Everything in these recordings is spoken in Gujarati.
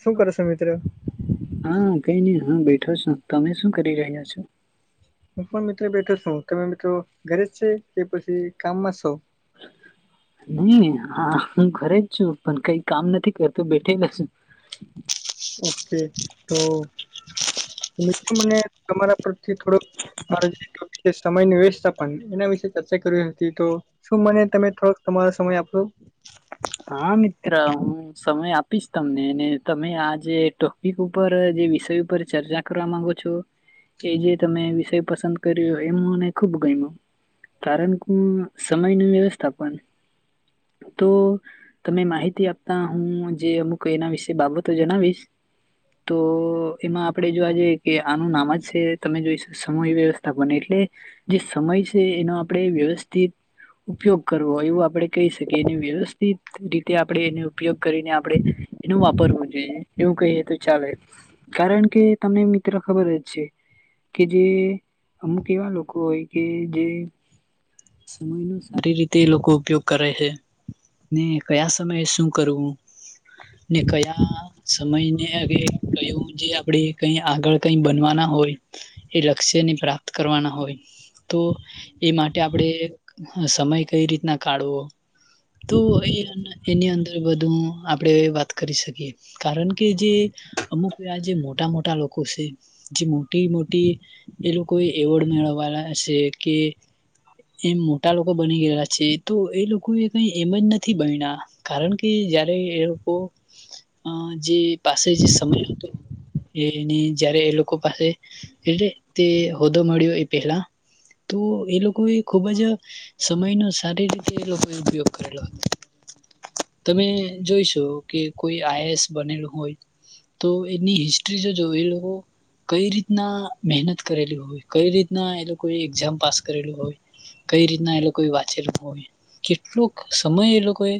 શું કરો છો મિત્રો હા કઈ નઈ હા બેઠો છો તમે શું કરી રહ્યા છો હું પણ મિત્ર બેઠો છું તમે મિત્રો ઘરે જ છે કે પછી કામમાં છો નહી હા હું ઘરે જ છું પણ કઈ કામ નથી કરતો બેઠેલા છું ઓકે તો મિત્રો મને તમારા પરથી થોડોક. મારો સમયની વ્યસ્થા પણન એના વિશે ચર્ચા કરી હતી તો. શું મને તમે થોડોક તમારો સમય આપશો. હા મિત્ર. સમય આપીશ તમને અને તમે આજે ટોપિક ઉપર જે વિષય ઉપર ચર્ચા. કરવા માંગો છો જે જે તમે વિષય પસંદ કર્યો એમ મને ખુબ ગમ્યો. કારણ કેુ સમય ન વ્યવસ્થાપન તો. તમે માહિતી આપતા હું જે અમુક એના વિશે બાબતો જણાવીશ. તો એમાં આપણે જોવા જઈએ કે આનું નામજ છે તમે જોઈ શકો સમૂહ વ્યવસ્થાપને એટલે. જે સમય છે એનો આપણે વ્યવસ્થિત. ઉપયોગ કરવોય એવું આપડે કહી શકીએ એની વ્યવસ્થા. રીતે આપણે એનો ઉપયોગ કરીને આપણે. એનું વાપરવું જોઈએ એવું કહીએ તો ચાલે. કારણ કે તમને મિત્ર ખબરજ છે. કે જે અમુક એવા લોકો હોય કે જે. સમય ન સારી રીતે એ લોકો ઉપયોગ કરે છે. ને કયા સમયે શું કરવું ને કયા. સમયને કયું જે આપણેે કઈ આગળ કઈ બનવાના હોય. એ લક્ષ્યન પ્રાપ્ત કરવાના હોય. તો એ માટે આપણે સમય કઈ રીતના કાઢવો. તો એ એની અંદર બધું આપણેે વાત કરી શકીએ કારણ કે જે. અમુક એ આજે મોટા મોટા લોકો છે. જે મોટી મોટી એલોકો એવોર્ડ મેળવવાના છે કે. એમ મોટા લોકો બની ગયેલા છે તો એ લોકો એ કઈ. એમજ નથી બણા કારણ કે જય્યારે એ લોકો જે. પાસે જે સમય હતો. એની જયારે એ લોકો પાસે એલે તે હોદ્દો મળ્યો એ પહેલા. તો એ લોકો એ ખુબજ સમયનોો સારી રીતે એ લોકો એ ઉપયોગ. તમે જોઈશો કે કોઈ આઈસ બનેલું હોય. તો એની હિસ્ટ્રી જો જો એલો. કઈ રીતના મહેનત કરેલી હોય કઈ રીતના એ લોકોએ એક્ઝામ પાસ કરેલીું હોય. કઈ રીતના એ લોકોએ વાંચેલ હોય કેટલોક સમય એલોકોએ.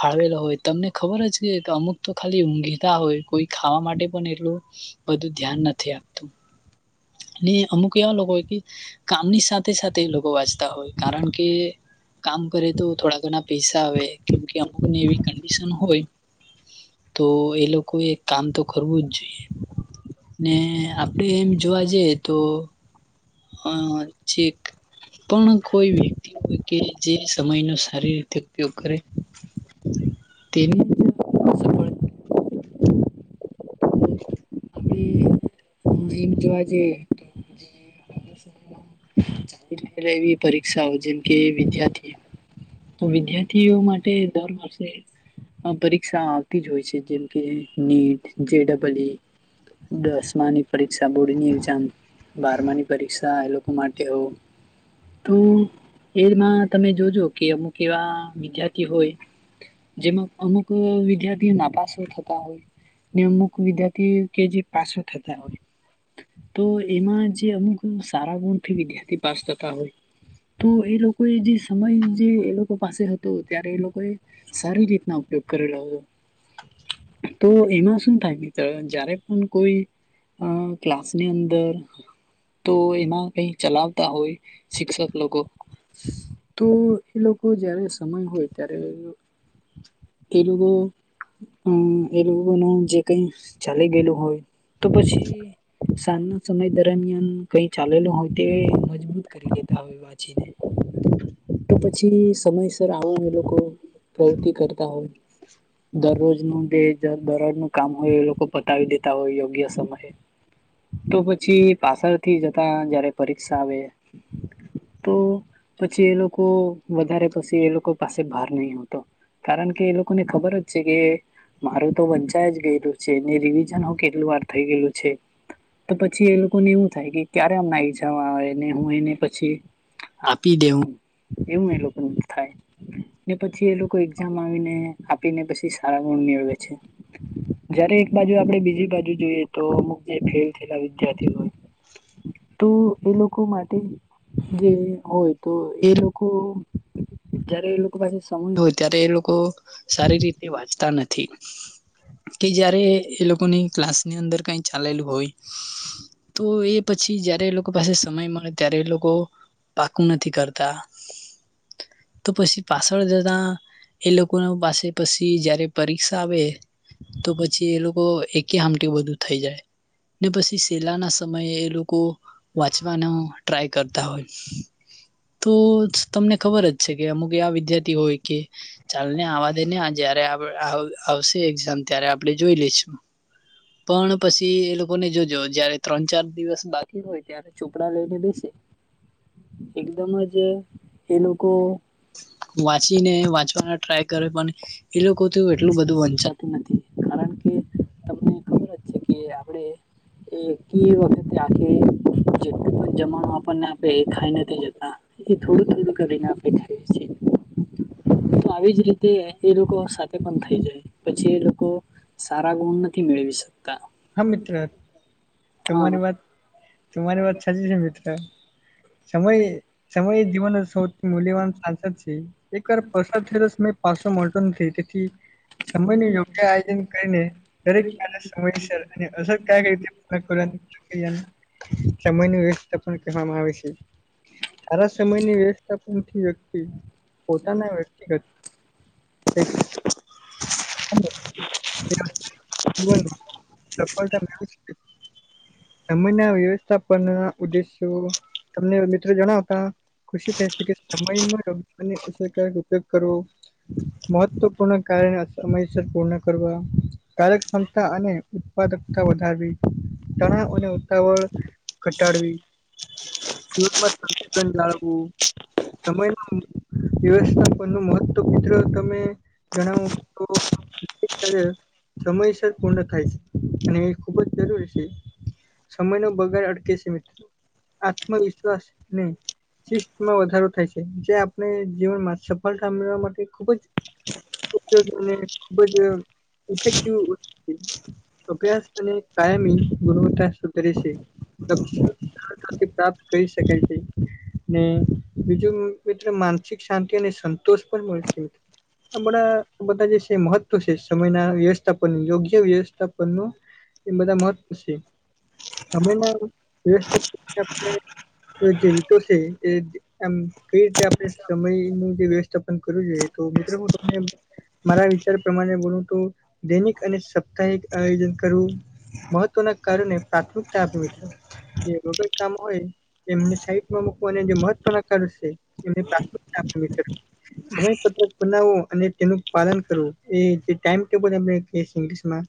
ફાળવેલો હોય તમને ખબર જ કે અમુક તો ખાલી ઊંઘીતા હોય કોઈ ખાવા માટે પણ એટલું. બધું ધ્યાન નથી આપતું અમુક એવા લોકો હોય કે. કામની સાથે સાથે લોકો વાંચતા હોય કારણ કે કામ કરે તો. થોડા પૈસા આવે કેમ અમુક ને એવી કશન હોય. તો એલોકો એક કામ તો કરવુંજ જોઈએ. ને આપડે એમ જોવા જઈએ તો. હ છેક્ પણ કોઈ વ્યક્તિ હોય કે જે સમય ન સારી રીતે ઉપયોગ કરે તેને હ. તો આપડે એમ જોવા જઈએ તો. એવી પરીક્ષાઓ જેમ કે વિદ્યાર્થી. તો વિદ્યાર્થીઓ માટે દર મળશે. આ પરીક્ષા આવતીજ હોય છે જેમ કે નીટ જેડબલ. દસમાની પરીક્ષા બોર્ડની એક્ઝામ. બારમાની પરીક્ષા એલોકો માટે હો. તો એમાં તમે જોજો કે અમુક એવા વિદ્યાર્થી હોય. જેમાં અમુક વિદ્યાર્થી નાપાસો થતા હોય. ને અમુક વિદ્યાર્થી કે જે પાસો થતા હોય. તો એમાં જે અમુક સારા ગુણથી વિદ્યાર્થી પાસ થતા હોય. તો એ લોકો એ જે સમય નો જે એ લોકો પાસે હતો ત્યારે એ લોકો એ સારી રીતના ઉપયોગ કરેલો હતો તો એમાં શું થાય પણ જયારે પણ કોઈ અ ક્લાસની અંદર તો એમાં કઈ ચલાવતા હોય શિક્ષક લોકો તો એ લોકો જયારે સમય હોય ત્યારે એ લોકો અમ એ લોકોનામાં જે કઈ ચાલી ગયેલું હોય તો પછી સાંજ ના સમય દરમિયાન કઈ ચાલેલું હોય તે મજબૂત કરી લેતા હોય વાંચીને તો પછી સમયસર આવા એ લોકો પ્રવૃતિ કરતા હોય દરરોજનુ જે દરરોજ નું કામ હોય એ લોકો પતાવી દેતા હોય યોગ્ય સમય તો પછી પાછળથી જતા જયારે પરીક્ષા આવે તો પછી એ લોકો વધારે પછી એ લોકો પાસે ભાર નહી હોતો કારણકે એ લોકોને ખબર જ છે કે મારું તો વંચાય જ ગયેલું છે એ રિવિઝન હો કેટલી વાર થઈ ગયેલું છે તો પછી એ લોકો એવું થાય કે ક્યારે અમને આવી જવાના ને હું એને પછી આપી દેવું એવું એ લોકો થાય ને પછી એ લોકો એક્ઝામ આવીને આપીને પછી સારા ગણ મેળવે છે જયારે એક બાજુ આપડે બીજી બાજુ જોઈએ તો અમુક જે ફેલ થયેલા વિદ્યાર્થી હોય તો એ લોકો માટે જે હોય તો એ લોકો કો જયારે એ લોકો પાસે સમયં હોય ત્યારે એ લોકો સારી રીતે વાંચતા નથી કે જયારે એ લોકોની ક્લાસની અંદર કઈ ચાલેલું હોય તો એ પછી જયારે એ લોકો પાસે સમય મળે ત્યારે એ લોકો પાકું નથી કરતા તો પછી પાછળ જતા એ લોકોના પાસે પછી જયારે પરીક્ષા આવે તો પછી એ લોકો એકી હામટી બધું થઈ જાય ને પછી છેલ્લા ના સમયે એ લોકો વાંચવાનો ટ્રાય કરતા હોય તો તમને ખબર જ છે કે અમુક એ વિદ્યાર્થી હોય કે ચાલ ને આવા દે ને જયારે આવશે એક્ઝામ ત્યારે આપણે જોઈ લઈશું પણ પછી એ લોકોને જોજો જયારે ત્રણ ચાર દિવસ બાકી હોય ત્યારે ચોપડા લઈને બેસે એકદમ જ એ લોકો વાંચીને વાંચવાના ટ્રાય કરે પણ એ લોકો તોય એટલું બધું વંચાતું નથી કારણ કે તમને ખબર જ છે કે આપડે એકી વખતે આખી જેટલું પણ જમવાનુ આપણને આપે એ ખાઈ નથી લેતા એ થોડું થોડું કરીનેી થાય છે તો આવી જ રીતે એ લોકો સાથે પણ થઈ જાય પછી એ લોકો સારા ગુણ નથી મેળવી શકતા હા મિત્ર હા તમાંરી વાત તમારી વાત સાચી છે મિત્ર સમય એ સમય જીવનનો સોંથી મૂલ્યવાન એક વાર પ્રસાદ થઇ જશે પછી મોટૉ થાય તેથી સમય નું યોગ્ય આયોજન કરીને દરેક મા સમય અને અસર કઈ સમય ન વ્યસ્ પણ કહેવામાં આવે છે સારા સમયની વ્યસ્થા પણ વ્યક્તિ પોતાના વ્યક્તિ હતી વન ચપ્પલ તો લાગૅ વી શકી તમે ના વ્યવસ્થાપન ના ઉદ્દેશ્યો તમને મિત્રો જણાવતા ખુશી થાય છે કે સમયમાં કુરકારક ઉપયોગ કરવો મહત્વપૂર્ણ કાર્યને સમયસર પૂર્ણ કરવા કાર્યક્ષમતા અને ઉત્પાદકતા વધારવી તણાવ અને ઉતાવળ ઘટાડવી સ્ન જાળવું સમય ન વ્યવસ્થાપન નું મહત્વ મિત્રો તમે જણાવું તોલે સમયસર પૂર્ણ થાય છે અને એ ખુબ જ જરૂરી છે સમય નો બગાર અડકે છે મિત્ર આત્મવિશ્વાસ નહી શિસ્માં વધારો થાય છે જે આપણે જીવનમાં સફળતા મેળવા માટે ખુબ જ અને ખુબ જ ઇફેક્ટિવ ભ્યાસ અને કાયમી ગુણવત્તા સુધરે છે થી પ્રાપ્ત કરી શકાય છે ને બીજું મિત માનસિક શાંતિ અને સંતોષ પણ મળશે આ બણા બધા જે છે મહત્વ છે સમયના વ્યવસ્થાપન યોગ્ય વ્યવસ્થા ન એ બધા મહત્વ છે સમય ના વ્યવસ્થા આપણે જે રીતો છે એમ કઈ રીતે આપણે સમય નું જે વ્યવસ્થાપન કરવું જોઈએ તો મિત્રો હું ત મારા વિચાર પ્રમાણે બોલું તો દૈનિક અને સાપ્તાહિક આયોજન કરવું મહત્ત્વના કાર્યોને પ્રાથમિકતા આપવીઠવી એનું તો એક કામ હોય એમને સાઈટમાં મુકવાના જે મહત્વના કાર્યો છે એમને પ્રાથમિક સમયપત્રક બનાવવું અને તેનું પાલન કરવું એ જે ટાઈમટેબલ આપણે કહી ઇંગ્શમાં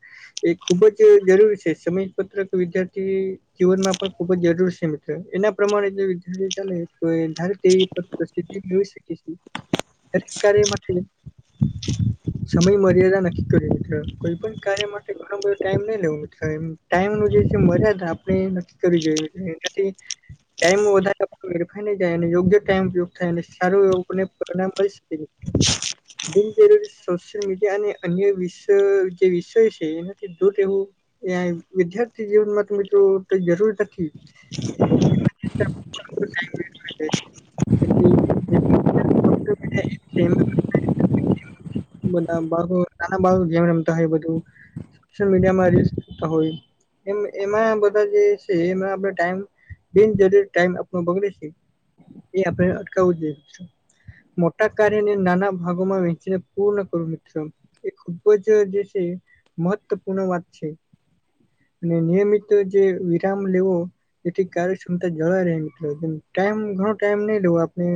એ ખુબ જ જરૂરી છે સમય પત્રક વિદ્યાર્થી જીવન માં પણ ખુબ જ જરૂર છે મિત્ર એના પ્રમાણે જો વિદ્યાર્થી ચાલે તોારે તેવી મેઈ શકે છે કાર્ય માટે સમય મર્યાદા નક્કી કરી કોઈ પણ કાર્યમાં ઘ બધ ટાઈમ ન લેવો ટાઈમ ન જે મજા આપણે ન કરવી જોઈ ટાઈમ વધારેેરફાઈ ન જાય યોગ્ય ટાઈમ ઉપયોગ થાય સારું એને પરણામ મળી બિનજરૂરી સોશિયલ મીડિયા અને અન્ય વિષ જે વિષય છે એનાથી દૂર એવું એં વિદ્યાર્થી જીવનમાં તો મિત્રો તો જરૂર નથી થી જેમ બધા બાળ નાના બાળકો જેમ રમતા હોય બધું સલ મીડિયામાં રી કરતા હોય એમાં બધા જે છે એમાં આપ ટાઈમ બિન જરૂરી ટાઈમ આપણ બગડે છે એ આપણે અટકાવવું જોઈએ મોટા કાર્યને નાના ભાગોમાં વેચીને પૂર્ણ કરું મિત્ર એ ખુબ જ જે છે મહત્વપૂર્ણ વાત છે અને નિયમિત જે વિરામ લેવો જેથી કાર્યક્ષમતા જળ ર મ ટાઈમ ઘણો ટાઈમ નહી લવો આપણે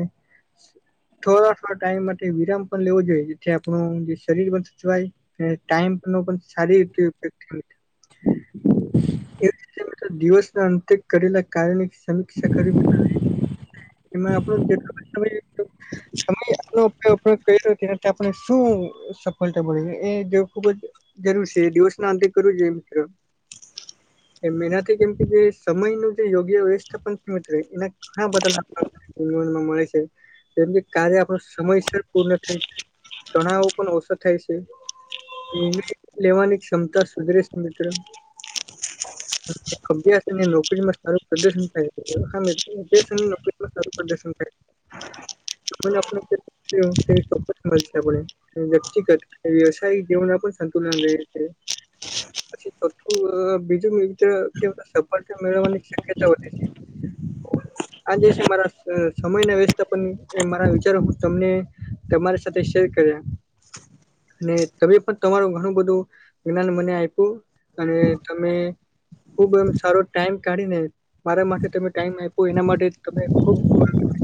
થોડા થો ટાઈમ માટે વિરામ પણ લેવો જોઈએ જેથી આપણું જે શરીર પણ સચવાય ટાઈમ નું પણ સારી રીતે ઉપ થી દિવસના અંતે કરેલા કાર્યોની સમીક્ષા કર મિત્રો એમાં આપણ જેટલો સમ સમગ કરી્યો તેના આપને શું સફળતા મળે એ જે ખુબ જ જરૂર છે દિવસ ના અંતે કરવું જોઈએ મિત્ર એમ એનાથી કેમ કે જે સમય ન યોગ્ય વથ મિત્ર એના ઘણા બધા લાભ જવનમાં મળે છે જેમ કે કાર્ય આપણો સમયસર પૂર્ણ થાય છે તણાવો પણ ઓછો થાય છે એને લેવાની ક્ષમતા સુધરે છે મિત્રો અભ્યાસ અને નોકરીમાં સારું પ્રદર્શન થાયો અભ્યાસ નોકરીમાં સારું પ્રદર્શન થાય. હ આપ [unintelligible] ચ જ મ [unintelligible] ળ છે આપણે વ્યક્તિગત વ્યવસાયિક જીવન સંતુલન રહે છે પછી ચોથું બીજું કે સફળતા મેળવવાની શક્યતા વધે છે હ [inaudible] આ જે છે મારા સમય ના વેચતા પણ મારા વિચારો હું તમને તમારી સાથે શેર કર્યા અને તમે પણ તમારું ઘણું બધું જ્ઞાન મને આપ્યું અને તમે ખુબ એમ સારો ટાઈમ કાઢીને મારા માટે તમે ટાઈમ આયપો એના માટે તમે ખૂબ ખૂબ આભાર.